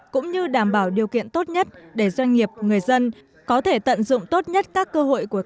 cũng như đảm bảo điều kiện tốt nhất để doanh nghiệp người dân có thể tận dụng tốt nhất các cơ hội của